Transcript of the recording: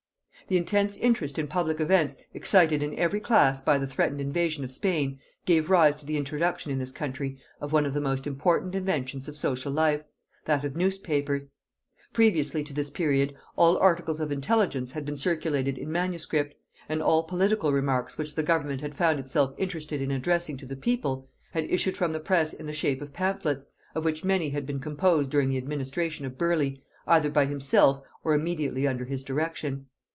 The intense interest in public events excited in every class by the threatened invasion of Spain, gave rise to the introduction in this country of one of the most important inventions of social life, that of newspapers. Previously to this period all articles of intelligence had been circulated in manuscript; and all political remarks which the government had found itself interested in addressing to the people, had issued from the press in the shape of pamphlets, of which many had been composed during the administration of Burleigh, either by himself or immediately under his direction.